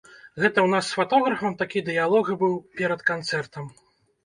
Гэта ў нас з фатографам такі дыялог быў перад канцэртам.